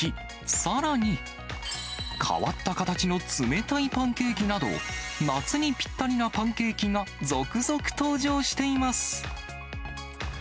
さらに、変わった形の冷たいパンケーキなど、夏にぴったりなパンケーキが続々登場しています。